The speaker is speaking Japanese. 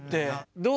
どう？